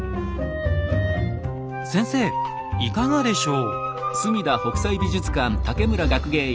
先生いかがでしょう？